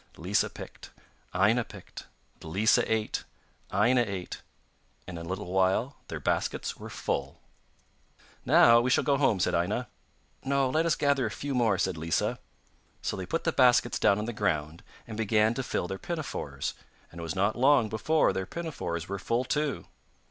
Lisa picked, Aina picked. Lisa ate, Aina ate, and in a little while their baskets were full. 'Now we shall go home,' said Aina. 'No, let us gather a few more,' said Lisa. So they put the baskets down on the ground and began to fill their pinafores, and it was not long before their pinafores were full, too.